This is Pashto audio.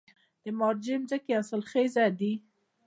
د مارجې ځمکې حاصلخیزه دي